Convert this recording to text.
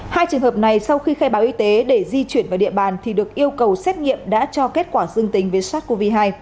hai trường hợp này sau khi khai báo y tế để di chuyển vào địa bàn thì được yêu cầu xét nghiệm đã cho kết quả dương tính với sars cov hai